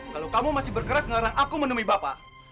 kalau kamu masih berkeras ngarah aku menemui bapak